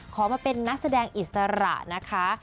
ขอมาเป็นนักแสดงอิสระนะคะ